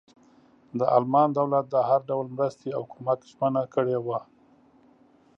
د المان دولت د هر ډول مرستې او کمک ژمنه کړې وه.